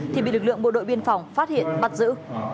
thì bị lực lượng bộ đội biên phòng phát hiện bắt giữ